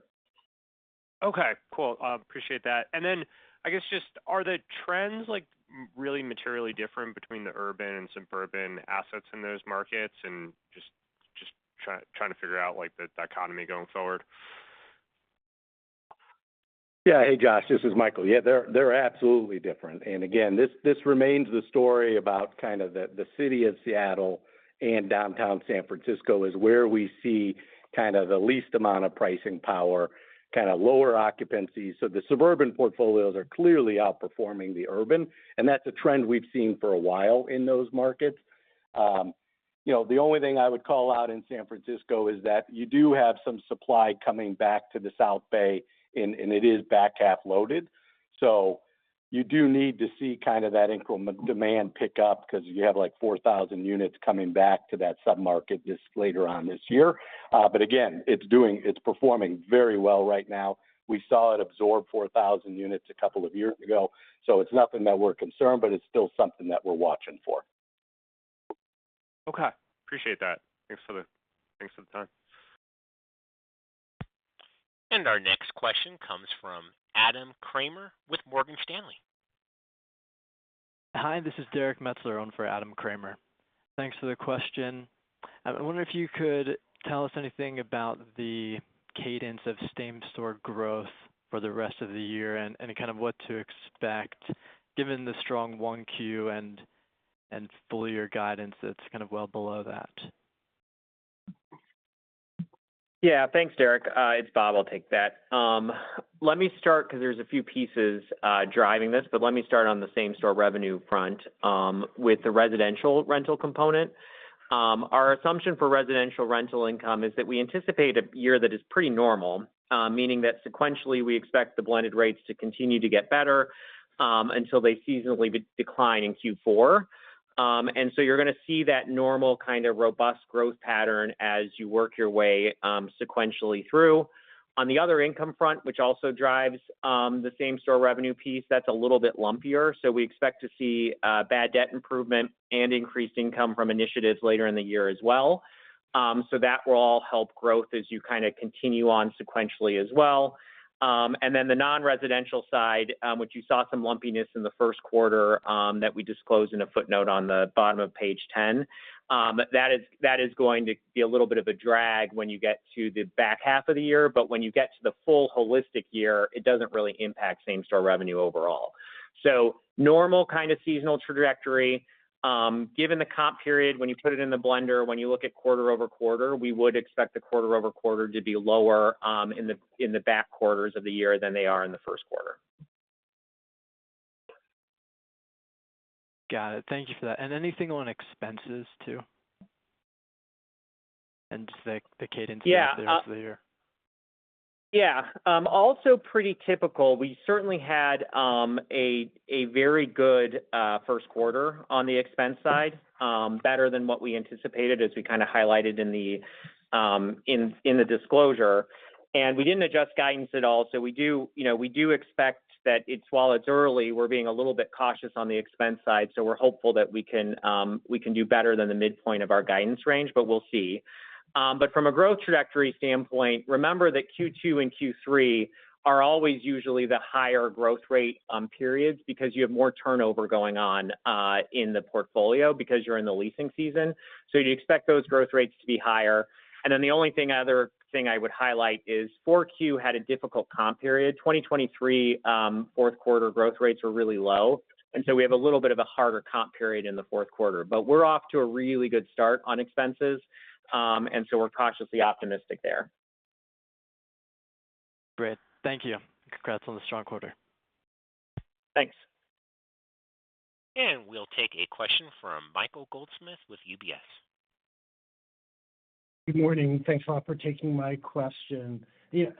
Okay. Cool. Appreciate that. And then I guess just are the trends really materially different between the urban and suburban assets in those markets? And just trying to figure out the economy going forward. Yeah. Hey, Josh. This is Michael. Yeah, they're absolutely different. And again, this remains the story about kind of the city of Seattle and downtown San Francisco is where we see kind of the least amount of pricing power, kind of lower occupancy. So the suburban portfolios are clearly outperforming the urban. And that's a trend we've seen for a while in those markets. The only thing I would call out in San Francisco is that you do have some supply coming back to the South Bay, and it is back half loaded. So you do need to see kind of that incremental demand pick up because you have like 4,000 units coming back to that submarket later on this year. But again, it's performing very well right now. We saw it absorb 4,000 units a couple of years ago. It's nothing that we're concerned, but it's still something that we're watching for. Okay. Appreciate that. Thanks for the time. Our next question comes from Adam Kramer with Morgan Stanley. Hi. This is Derrik Metzler, on behalf of Adam Kramer. Thanks for the question. I wonder if you could tell us anything about the cadence of same-store growth for the rest of the year and kind of what to expect given the strong Q1 and full-year guidance that's kind of well below that. Yeah. Thanks, Derek. It's Bob. I'll take that. Let me start because there's a few pieces driving this, but let me start on the same-store revenue front with the residential rental component. Our assumption for residential rental income is that we anticipate a year that is pretty normal, meaning that sequentially, we expect the blended rates to continue to get better until they seasonally decline in Q4. And so you're going to see that normal kind of robust growth pattern as you work your way sequentially through. On the other income front, which also drives the same-store revenue piece, that's a little bit lumpier. We expect to see bad debt improvement and increased income from initiatives later in the year as well. That will all help growth as you kind of continue on sequentially as well. And then the non-residential side, which you saw some lumpiness in the Q1 that we disclose in a footnote on the bottom of page 10, that is going to be a little bit of a drag when you get to the back half of the year. But when you get to the full holistic year, it doesn't really impact same-store revenue overall. So normal kind of seasonal trajectory. Given the comp period, when you put it in the blender, when you look at quarter-over-quarter, we would expect the quarter-over-quarter to be lower in the back quarters of the year than they are in the Q1. Got it. Thank you for that. Anything on expenses too? Just the cadence that there is this year. Yeah. Also pretty typical. We certainly had a very good Q1 on the expense side, better than what we anticipated, as we kind of highlighted in the disclosure. We didn't adjust guidance at all. We do expect that while it's early, we're being a little bit cautious on the expense side. We're hopeful that we can do better than the midpoint of our guidance range, but we'll see. From a growth trajectory standpoint, remember that Q2 and Q3 are always usually the higher growth rate periods because you have more turnover going on in the portfolio because you're in the leasing season. You'd expect those growth rates to be higher. Then the only other thing I would highlight is Q4 had a difficult comp period. 2023 Q4 growth rates were really low. And so we have a little bit of a harder comp period in the Q4. But we're off to a really good start on expenses. And so we're cautiously optimistic there. Great. Thank you. Congrats on the strong quarter. Thanks. We'll take a question from Michael Goldsmith with UBS. Good morning. Thanks a lot for taking my question.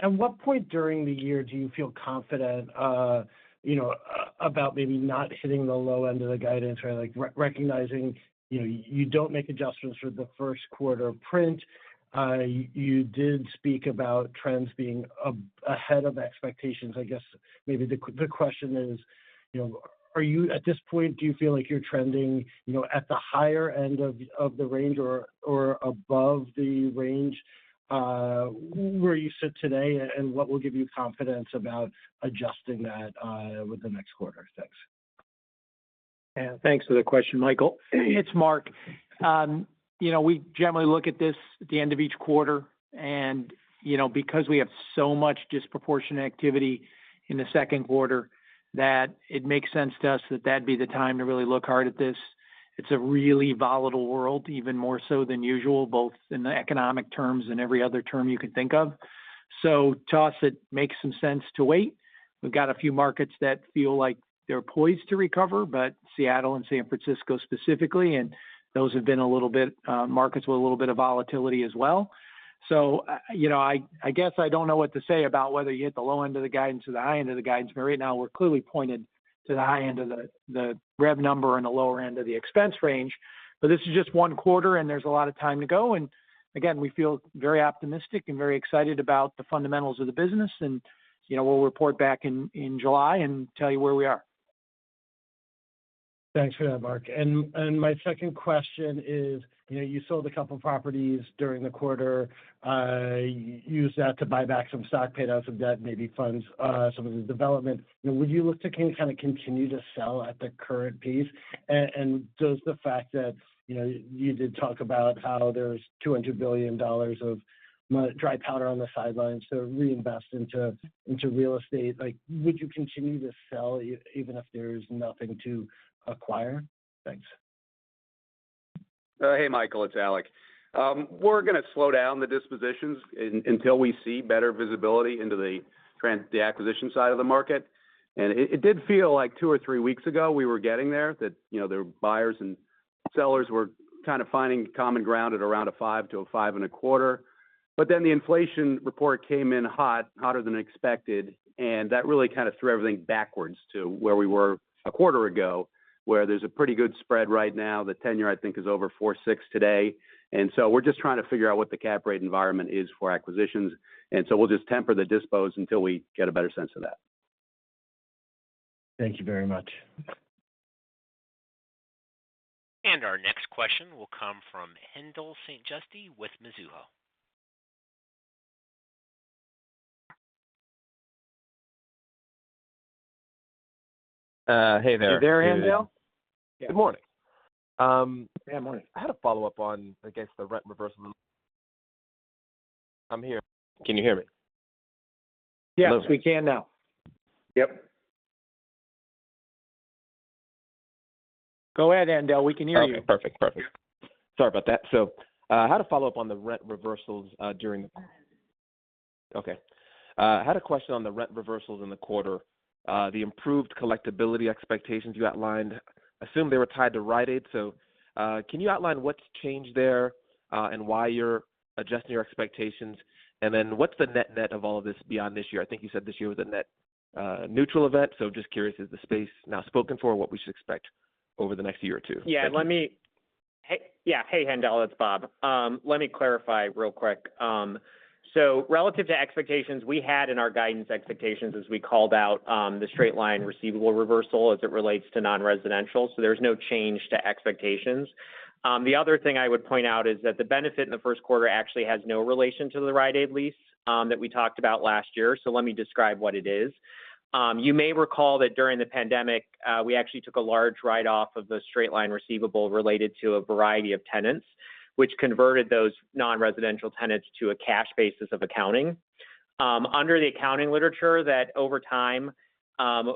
At what point during the year do you feel confident about maybe not hitting the low end of the guidance, recognizing you don't make adjustments for the Q1 print? You did speak about trends being ahead of expectations. I guess maybe the question is, at this point, do you feel like you're trending at the higher end of the range or above the range where you sit today, and what will give you confidence about adjusting that with the next quarter? Thanks. Yeah. Thanks for the question, Michael. It's Mark. We generally look at this at the end of each quarter. Because we have so much disproportionate activity in the Q2, it makes sense to us that that'd be the time to really look hard at this. It's a really volatile world, even more so than usual, both in the economic terms and every other term you can think of. To us, it makes some sense to wait. We've got a few markets that feel like they're poised to recover, but Seattle and San Francisco specifically, and those have been a little bit markets with a little bit of volatility as well. I guess I don't know what to say about whether you hit the low end of the guidance or the high end of the guidance. Right now, we're clearly pointed to the high end of the revenue number and the lower end of the expense range. This is just one quarter, and there's a lot of time to go. Again, we feel very optimistic and very excited about the fundamentals of the business and will report back in July and tell you where we are. Thanks for that, Mark. And my second question is, you sold a couple of properties during the quarter. You used that to buy back some stock, pay down some debt, maybe fund some of the development. Would you look to kind of continue to sell at the current pace? And does the fact that you did talk about how there's $200 billion of dry powder on the sidelines to reinvest into real estate, would you continue to sell even if there's nothing to acquire? Thanks. Hey, Michael. It's Alec. We're going to slow down the dispositions until we see better visibility into the acquisition side of the market. It did feel like 2 or 3 weeks ago, we were getting there, that the buyers and sellers were kind of finding common ground at around 5-5.25. But then the inflation report came in hot, hotter than expected. And that really kind of threw everything backwards to where we were a quarter ago, where there's a pretty good spread right now. The ten-year, I think, is over 4.6 today. And so we're just trying to figure out what the cap rate environment is for acquisitions. And so we'll just temper the dispos until we get a better sense of that. Thank you very much. Our next question will come from Haendel St. Juste with Mizuho. Hey there. Are you there, Haendel? Yeah. Good morning. Yeah. Morning. I had a follow-up on, I guess, the rent reversal. I'm here. Can you hear me? Yes. We can now. Yep. Go ahead, Haendel. We can hear you. Perfect. Perfect. Sorry about that. I had a follow-up on the rent reversals during the quarter. Yes. Okay. I had a question on the rent reversals in the quarter. The improved collectibility expectations you outlined, I assume they were tied to Rite Aid. So can you outline what's changed there and why you're adjusting your expectations? And then what's the net-net of all of this beyond this year? I think you said this year was a net neutral event. So just curious, is the space now spoken for or what we should expect over the next year or two? Yeah. Yeah. Hey, Haendel. It's Bob. Let me clarify real quick. So relative to expectations, we had in our guidance expectations, as we called out, the straight-line receivable reversal as it relates to non-residential. So there's no change to expectations. The other thing I would point out is that the benefit in the Q1 actually has no relation to the Rite Aid lease that we talked about last year. So let me describe what it is. You may recall that during the pandemic, we actually took a large write-off of the straight-line receivable related to a variety of tenants, which converted those non-residential tenants to a cash basis of accounting. Under the accounting literature that over time,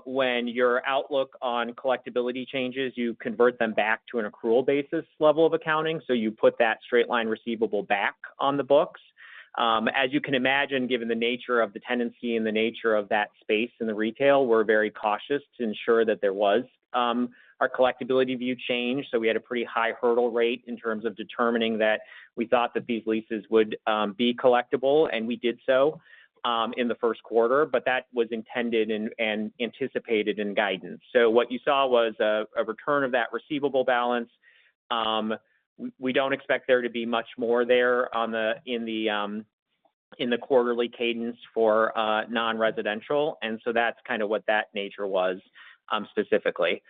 when your outlook on collectibility changes, you convert them back to an accrual basis level of accounting. So you put that straight-line receivable back on the books. As you can imagine, given the nature of the tenancy and the nature of that space in the retail, we're very cautious to ensure that there was our collectibility view change. So we had a pretty high hurdle rate in terms of determining that we thought that these leases would be collectible, and we did so in the Q1. But that was intended and anticipated in guidance. So what you saw was a return of that receivable balance. We don't expect there to be much more there in the quarterly cadence for non-residential. And so that's kind of what that nature was specifically.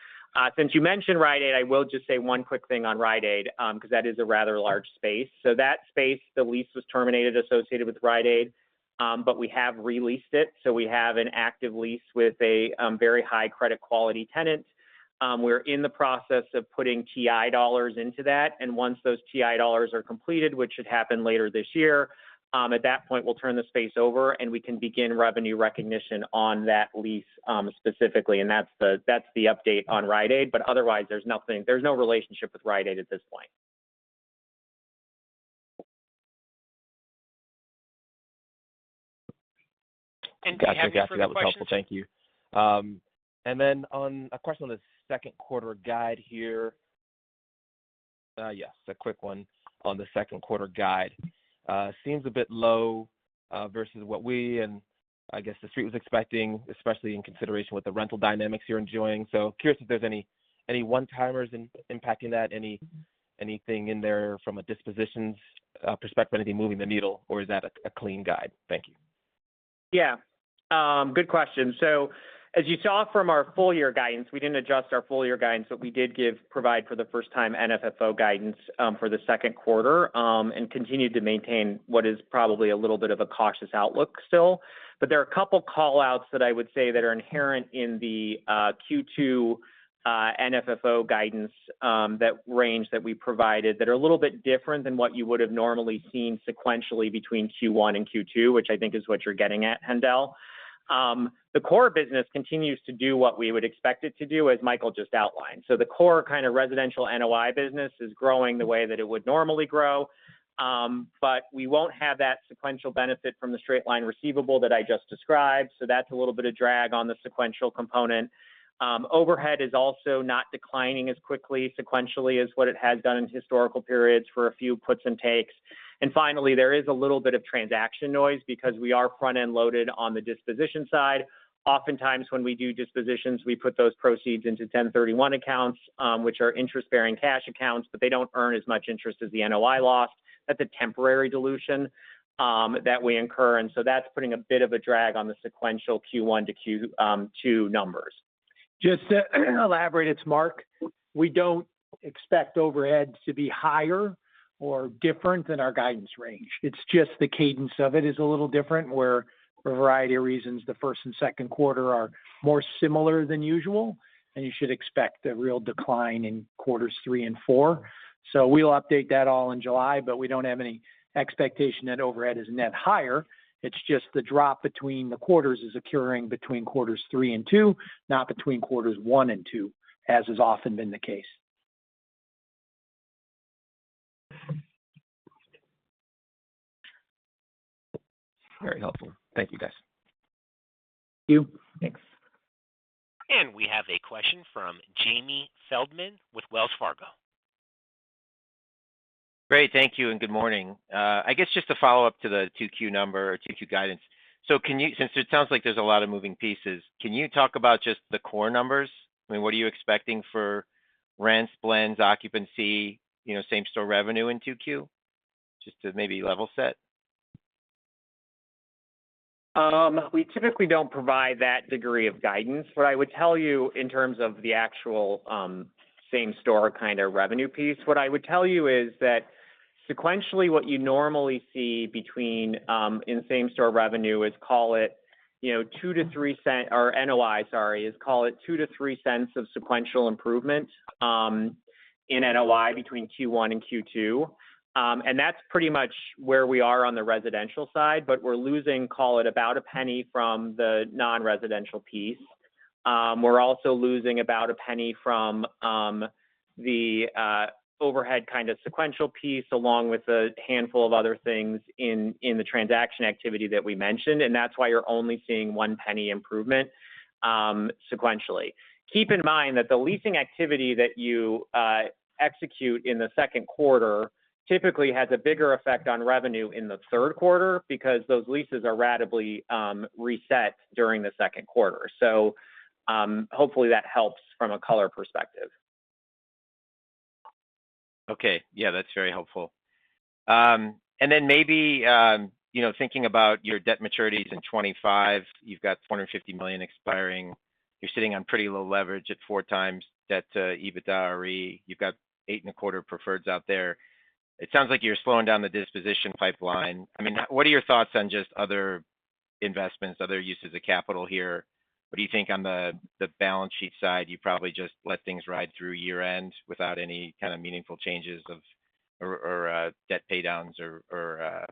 Since you mentioned Rite Aid, I will just say one quick thing on Rite Aid because that is a rather large space. So that space, the lease was terminated associated with Rite Aid, but we have re-leased it. So we have an active lease with a very high credit quality tenant. We're in the process of putting TI dollars into that. And once those TI dollars are completed, which should happen later this year, at that point, we'll turn the space over, and we can begin revenue recognition on that lease specifically. And that's the update on Rite Aid. But otherwise, there's no relationship with Rite Aid at this point. And. Gotcha. Gotcha. That was helpful. Thank you. And then a question on the Q2 guide here. Yes, a quick one on the Q2 guide. It seems a bit low versus what we and, I guess, the street was expecting, especially in consideration with the rental dynamics you're enjoying. So curious if there's any one-timers impacting that, anything in there from a dispositions perspective, anything moving the needle, or is that a clean guide? Thank you. Yeah. Good question. So as you saw from our full-year guidance, we didn't adjust our full-year guidance, but we did provide for the first time NFFO guidance for the Q2 and continue to maintain what is probably a little bit of a cautious outlook still. But there are a couple of callouts that I would say that are inherent in the Q2 NFFO guidance range that we provided that are a little bit different than what you would have normally seen sequentially between Q1 and Q2, which I think is what you're getting at, Haendel. The core business continues to do what we would expect it to do, as Michael just outlined. So the core kind of residential NOI business is growing the way that it would normally grow. But we won't have that sequential benefit from the straight-line receivable that I just described. So that's a little bit of drag on the sequential component. Overhead is also not declining as quickly, sequentially, as what it has done in historical periods for a few puts and takes. And finally, there is a little bit of transaction noise because we are front-end loaded on the disposition side. Oftentimes, when we do dispositions, we put those proceeds into 1031 accounts, which are interest-bearing cash accounts, but they don't earn as much interest as the NOI lost at the temporary dilution that we incur. And so that's putting a bit of a drag on the sequential Q1 to Q2 numbers. Just to elaborate, it's Mark. We don't expect overhead to be higher or different than our guidance range. It's just the cadence of it is a little different, where for a variety of reasons, the first and Q2 are more similar than usual. You should expect a real decline in quarters three and four. We'll update that all in July, but we don't have any expectation that overhead is net higher. It's just the drop between the quarters is occurring between quarters three and two, not between quarters one and two, as has often been the case. Very helpful. Thank you, guys. Thank you. Thanks. We have a question from Jamie Feldman with Wells Fargo. Great. Thank you and good morning. I guess just a follow-up to the Q2 number or Q2 guidance. So since it sounds like there's a lot of moving pieces, can you talk about just the core numbers? I mean, what are you expecting for rent, spends, occupancy, same-store revenue in Q2, just to maybe level set? We typically don't provide that degree of guidance. What I would tell you in terms of the actual same-store kind of revenue piece, what I would tell you is that sequentially, what you normally see in same-store revenue is call it $0.02-$0.03 or NOI, sorry, is call it $0.02-$0.03 of sequential improvement in NOI between Q1 and Q2. And that's pretty much where we are on the residential side. But we're losing, call it, about $0.01 from the non-residential piece. We're also losing about $0.01 from the overhead kind of sequential piece along with a handful of other things in the transaction activity that we mentioned. And that's why you're only seeing $0.01 improvement sequentially. Keep in mind that the leasing activity that you execute in the Q2 typically has a bigger effect on revenue in the Q3 because those leases are radically reset during the Q2. So hopefully, that helps from a color perspective. Okay. Yeah, that's very helpful. And then maybe thinking about your debt maturities in 2025, you've got $250 million expiring. You're sitting on pretty low leverage at 4x debt to EBITDAre. You've got 8.25 preferreds out there. It sounds like you're slowing down the disposition pipeline. I mean, what are your thoughts on just other investments, other uses of capital here? What do you think on the balance sheet side? You probably just let things ride through year-end without any kind of meaningful changes or debt paydowns or,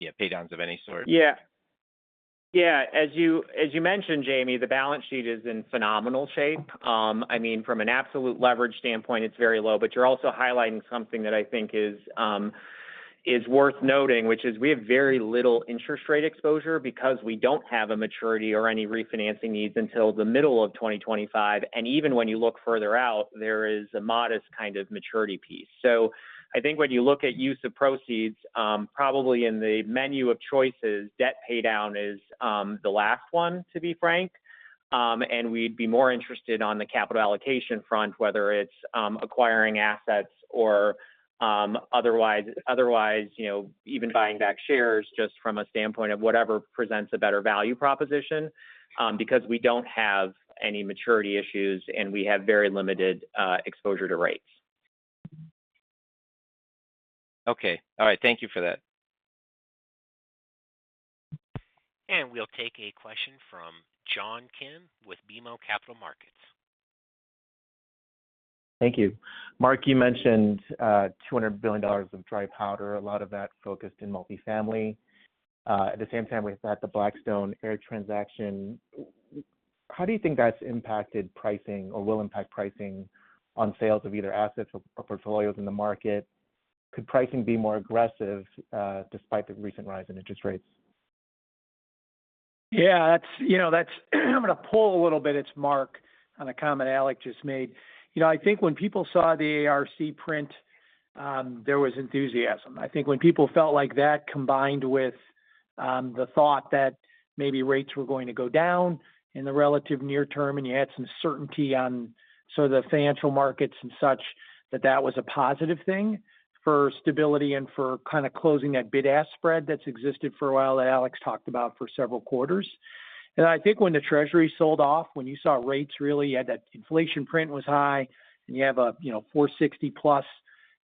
yeah, paydowns of any sort? Yeah. Yeah. As you mentioned, Jamie, the balance sheet is in phenomenal shape. I mean, from an absolute leverage standpoint, it's very low. But you're also highlighting something that I think is worth noting, which is we have very little interest rate exposure because we don't have a maturity or any refinancing needs until the middle of 2025. And even when you look further out, there is a modest kind of maturity piece. So I think when you look at use of proceeds, probably in the menu of choices, debt paydown is the last one, to be frank. And we'd be more interested on the capital allocation front, whether it's acquiring assets or otherwise, even buying back shares just from a standpoint of whatever presents a better value proposition because we don't have any maturity issues, and we have very limited exposure to rates. Okay. All right. Thank you for that. We'll take a question from John Kim with BMO Capital Markets. Thank you. Mark, you mentioned $200 billion of dry powder, a lot of that focused in multifamily. At the same time, we've got the Blackstone AIRC transaction. How do you think that's impacted pricing or will impact pricing on sales of either assets or portfolios in the market? Could pricing be more aggressive despite the recent rise in interest rates? Yeah. I'm going to pull a little bit. It's Mark on a comment Alec just made. I think when people saw the AIRC print, there was enthusiasm. I think when people felt like that combined with the thought that maybe rates were going to go down in the relative near term, and you had some certainty on sort of the financial markets and such, that that was a positive thing for stability and for kind of closing that bid-ask spread that's existed for a while that Alec talked about for several quarters. And I think when the Treasury sold off, when you saw rates really, you had that inflation print was high, and you have a 4.60+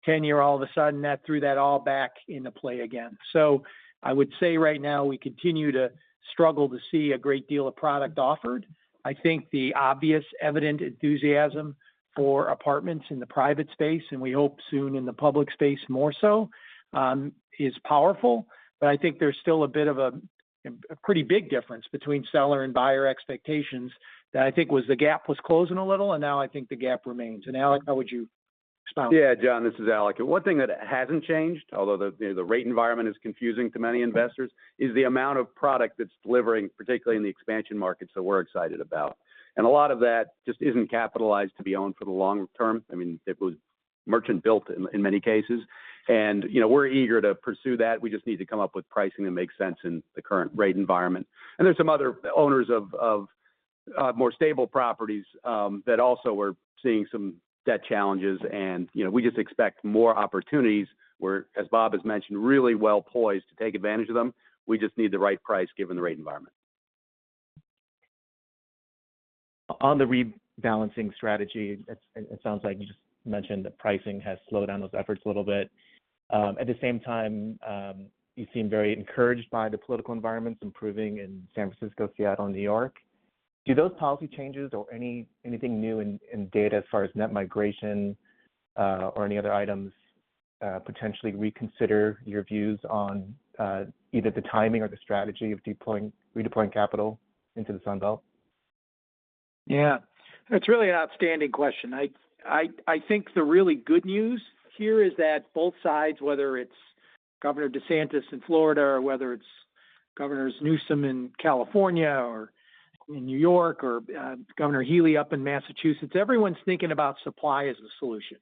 ten-year all of a sudden, that threw that all back into play again. So I would say right now, we continue to struggle to see a great deal of product offered. I think the obvious, evident enthusiasm for apartments in the private space, and we hope soon in the public space more so, is powerful. But I think there's still a bit of a pretty big difference between seller and buyer expectations that I think the gap was closing a little, and now I think the gap remains. Alec, how would you respond? Yeah, John. This is Alec. One thing that hasn't changed, although the rate environment is confusing to many investors, is the amount of product that's delivering, particularly in the expansion markets that we're excited about. And a lot of that just isn't capitalized to be owned for the long term. I mean, it was merchant-built in many cases. And we're eager to pursue that. We just need to come up with pricing that makes sense in the current rate environment. And there's some other owners of more stable properties that also are seeing some debt challenges. And we just expect more opportunities. We're, as Bob has mentioned, really well poised to take advantage of them. We just need the right price given the rate environment. On the rebalancing strategy, it sounds like you just mentioned that pricing has slowed down those efforts a little bit. At the same time, you seem very encouraged by the political environments improving in San Francisco, Seattle, and New York. Do those policy changes or anything new in data as far as net migration or any other items potentially reconsider your views on either the timing or the strategy of redeploying capital into the Sunbelt? Yeah. It's really an outstanding question. I think the really good news here is that both sides, whether it's Governor DeSantis in Florida or whether it's Governor Newsom in California or in New York or Governor Healey up in Massachusetts, everyone's thinking about supply as the solution.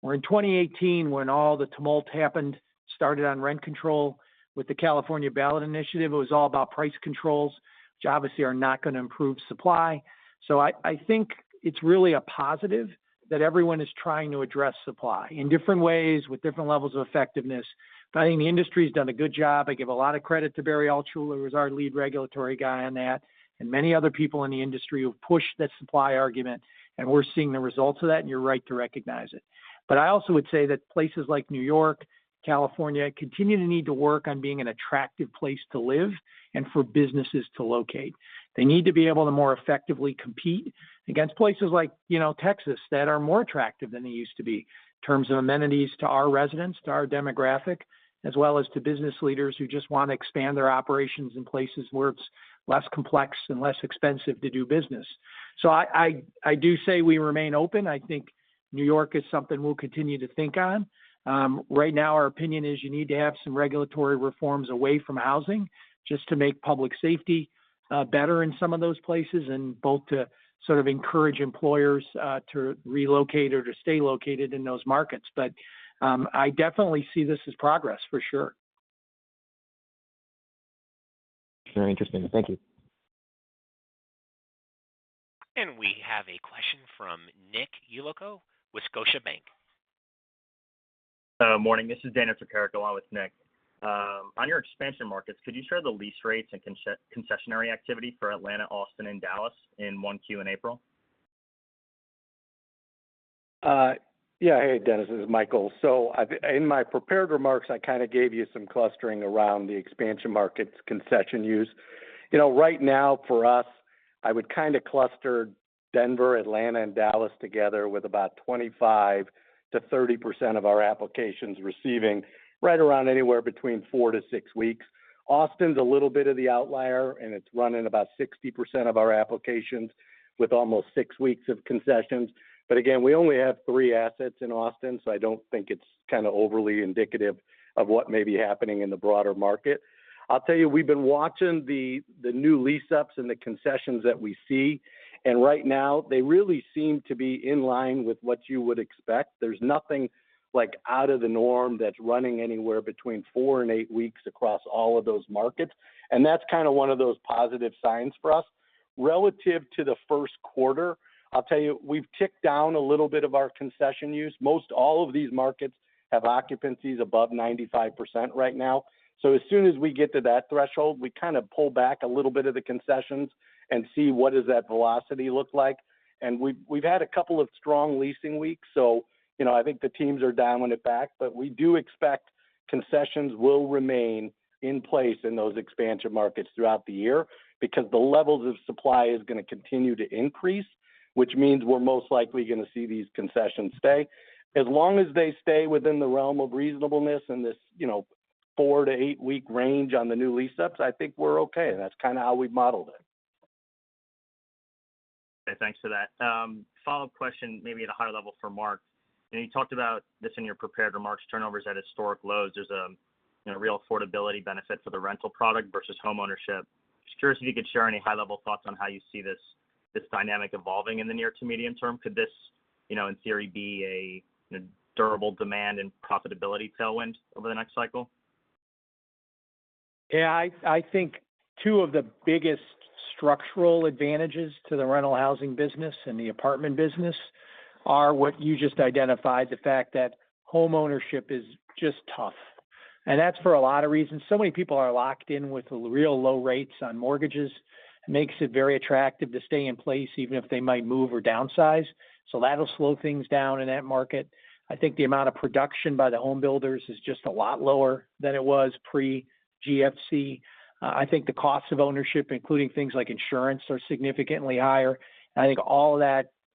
Where in 2018, when all the tumult happened, started on rent control with the California Ballot Initiative, it was all about price controls, which obviously are not going to improve supply. So I think it's really a positive that everyone is trying to address supply in different ways with different levels of effectiveness. But I think the industry has done a good job. I give a lot of credit to Barry Altshuler, who was our lead regulatory guy on that, and many other people in the industry who've pushed that supply argument. We're seeing the results of that, and you're right to recognize it. But I also would say that places like New York, California, continue to need to work on being an attractive place to live and for businesses to locate. They need to be able to more effectively compete against places like Texas that are more attractive than they used to be in terms of amenities to our residents, to our demographic, as well as to business leaders who just want to expand their operations in places where it's less complex and less expensive to do business. So I do say we remain open. I think New York is something we'll continue to think on. Right now, our opinion is you need to have some regulatory reforms away from housing just to make public safety better in some of those places and both to sort of encourage employers to relocate or to stay located in those markets. But I definitely see this as progress for sure. Very interesting. Thank you. We have a question from Nicholas Yulico, Scotiabank. Morning. This is Dennis Halim along with Nick. On your expansion markets, could you share the lease rates and concessionary activity for Atlanta, Austin, and Dallas in Q1 in April? Yeah. Hey, Dennis. This is Michael. So in my prepared remarks, I kind of gave you some clustering around the expansion markets concession use. Right now, for us, I would kind of cluster Denver, Atlanta, and Dallas together with about 25%-30% of our applications receiving right around anywhere between 4-6 weeks. Austin's a little bit of the outlier, and it's running about 60% of our applications with almost 6 weeks of concessions. But again, we only have 3 assets in Austin, so I don't think it's kind of overly indicative of what may be happening in the broader market. I'll tell you, we've been watching the new lease-ups and the concessions that we see. And right now, they really seem to be in line with what you would expect. There's nothing out of the norm that's running anywhere between 4 and 8 weeks across all of those markets. And that's kind of one of those positive signs for us. Relative to the Q1, I'll tell you, we've ticked down a little bit of our concession use. Most all of these markets have occupancies above 95% right now. So as soon as we get to that threshold, we kind of pull back a little bit of the concessions and see what does that velocity look like. And we've had a couple of strong leasing weeks. So I think the teams are dialing it back. But we do expect concessions will remain in place in those expansion markets throughout the year because the levels of supply is going to continue to increase, which means we're most likely going to see these concessions stay. As long as they stay within the realm of reasonableness and this 4-8-week range on the new lease-ups, I think we're okay. That's kind of how we've modeled it. Okay. Thanks for that. Follow-up question, maybe at a higher level for Mark. And you talked about this in your prepared remarks. Turnovers at historic lows. There's a real affordability benefit for the rental product versus home ownership. Just curious if you could share any high-level thoughts on how you see this dynamic evolving in the near to medium term. Could this, in theory, be a durable demand and profitability tailwind over the next cycle? Yeah. I think two of the biggest structural advantages to the rental housing business and the apartment business are what you just identified, the fact that home ownership is just tough. And that's for a lot of reasons. So many people are locked in with real low rates on mortgages. It makes it very attractive to stay in place even if they might move or downsize. So that'll slow things down in that market. I think the amount of production by the home builders is just a lot lower than it was pre-GFC. I think the costs of ownership, including things like insurance, are significantly higher. And I think all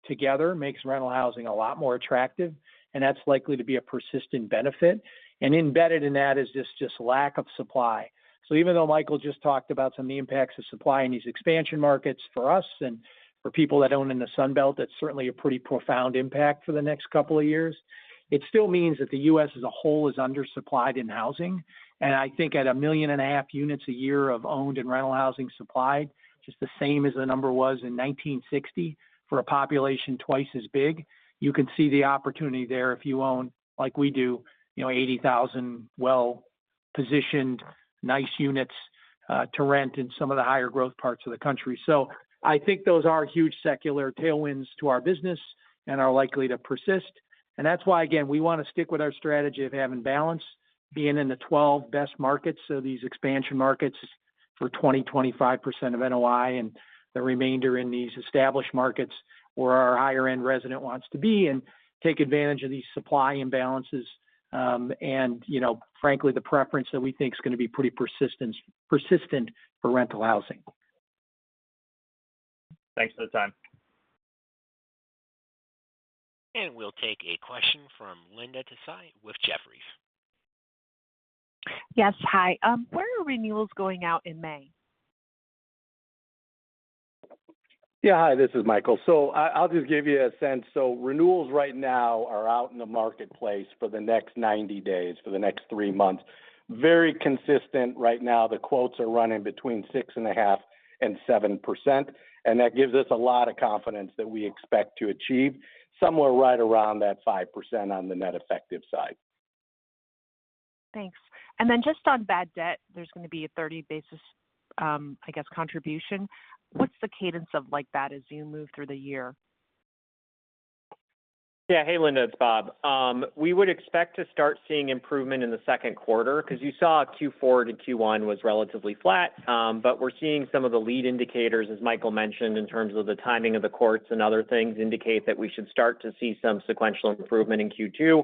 of that together makes rental housing a lot more attractive. And that's likely to be a persistent benefit. And embedded in that is this just lack of supply. So even though Michael just talked about some of the impacts of supply in these expansion markets for us and for people that own in the Sunbelt, that's certainly a pretty profound impact for the next couple of years, it still means that the U.S. as a whole is undersupplied in housing. I think at 1.5 million units a year of owned and rental housing supplied, just the same as the number was in 1960 for a population twice as big, you can see the opportunity there if you own, like we do, 80,000 well-positioned, nice units to rent in some of the higher growth parts of the country. So I think those are huge secular tailwinds to our business and are likely to persist. That's why, again, we want to stick with our strategy of having balance, being in the 12 best markets, so these expansion markets for 20%-25% of NOI and the remainder in these established markets where our higher-end resident wants to be and take advantage of these supply imbalances and, frankly, the preference that we think is going to be pretty persistent for rental housing. Thanks for the time. We'll take a question from Linda Tsai with Jefferies. Yes. Hi. Where are renewals going out in May? Yeah. Hi. This is Michael. So I'll just give you a sense. So renewals right now are out in the marketplace for the next 90 days, for the next three months. Very consistent right now. The quotes are running between 6.5% and 7%. And that gives us a lot of confidence that we expect to achieve somewhere right around that 5% on the net effective side. Thanks. And then just on bad debt, there's going to be a 30 basis, I guess, contribution. What's the cadence of that as you move through the year? Yeah. Hey, Linda. It's Bob. We would expect to start seeing improvement in the Q2 because you saw Q4 to Q1 was relatively flat. But we're seeing some of the lead indicators, as Michael mentioned, in terms of the timing of the courts and other things indicate that we should start to see some sequential improvement in Q2.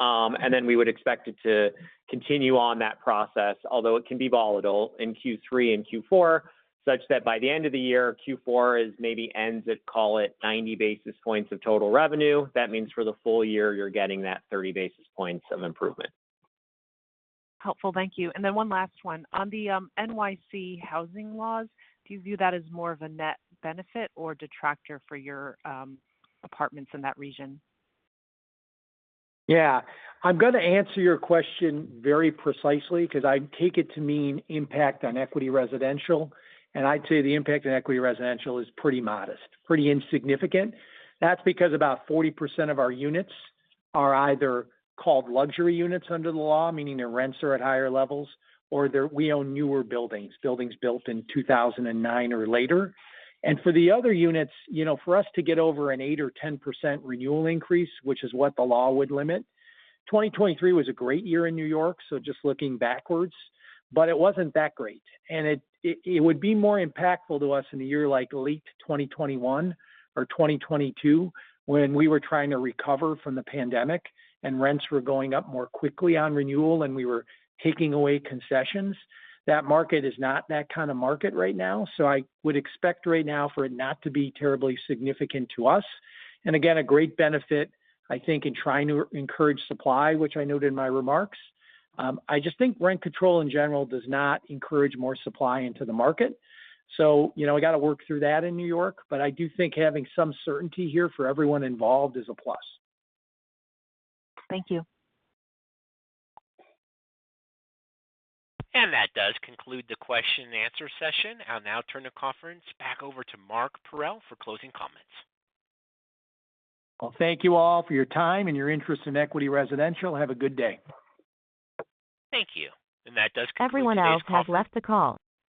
And then we would expect it to continue on that process, although it can be volatile in Q3 and Q4, such that by the end of the year, Q4 maybe ends at, call it, 90 basis points of total revenue. That means for the full year, you're getting that 30 basis points of improvement. Helpful. Thank you. And then one last one. On the NYC housing laws, do you view that as more of a net benefit or detractor for your apartments in that region? Yeah. I'm going to answer your question very precisely because I take it to mean impact on Equity Residential. I'd say the impact on Equity Residential is pretty modest, pretty insignificant. That's because about 40% of our units are either called luxury units under the law, meaning their rents are at higher levels, or we own newer buildings, buildings built in 2009 or later. For the other units, for us to get over an 8% or 10% renewal increase, which is what the law would limit, 2023 was a great year in New York, so just looking backwards. It wasn't that great. It would be more impactful to us in a year like late 2021 or 2022 when we were trying to recover from the pandemic and rents were going up more quickly on renewal and we were taking away concessions. That market is not that kind of market right now. So I would expect right now for it not to be terribly significant to us. And again, a great benefit, I think, in trying to encourage supply, which I noted in my remarks. I just think rent control in general does not encourage more supply into the market. So we got to work through that in New York. But I do think having some certainty here for everyone involved is a plus. Thank you. That does conclude the question-and-answer session. I'll now turn the conference back over to Mark Parrell for closing comments. Well, thank you all for your time and your interest in Equity Residential. Have a good day. Thank you. That does conclude today's question. Everyone else has left the call.